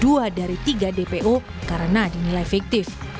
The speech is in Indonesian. dua dari tiga dpo karena dinilai fiktif